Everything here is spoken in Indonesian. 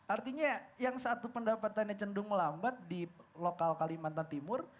artinya yang satu pendapatannya cenderung melambat di lokal kalimantan timur